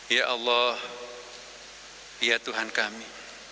ya allah ya tuhan kami